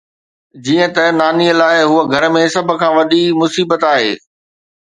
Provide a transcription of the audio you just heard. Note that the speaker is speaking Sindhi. جيئن ته ناني لاء، هوء گهر ۾ سڀ کان وڏي مصيبت آهي.